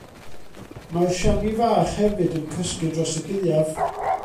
Mae'r siani fach hefyd yn cysgu dros y gaeaf.